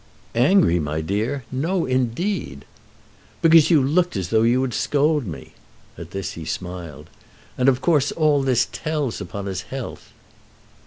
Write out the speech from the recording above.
"Angry, my dear! No, indeed!" "Because you looked as though you would scold me." At this he smiled. "And of course all this tells upon his health."